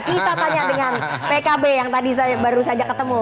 kita tanya dengan pkb yang tadi baru saja ketemu